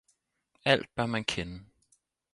Alt bør man kende!